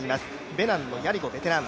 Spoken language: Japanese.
ベナンのヤリゴもベテラン。